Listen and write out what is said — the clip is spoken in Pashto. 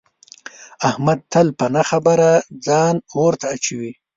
احمد تل په نه خبره ځان اور ته اچوي.